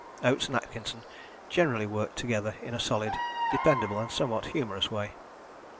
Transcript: Oates and Atkinson generally worked together in a solid, dependable and somewhat humorous way.